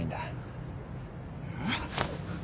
えっ？